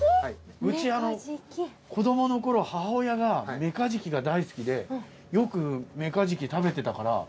うち子供の頃母親がメカジキが大好きでよくメカジキ食べてたから。